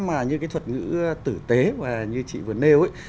mà như cái thuật ngữ tử tế mà như chị vừa nêu ấy